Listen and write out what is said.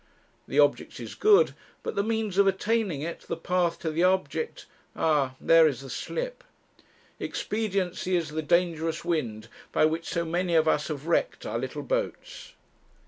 The object is good, but the means of attaining it the path to the object ah! there is the slip. Expediency is the dangerous wind by which so many of us have wrecked our little boats.